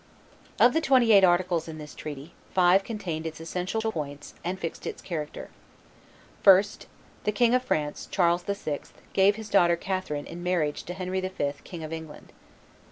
Of the twenty eight articles in this treaty, five contained its essential points and fixed its character: 1st. The King of France, Charles VI., gave his daughter Catherine in marriage to Henry V., King of England.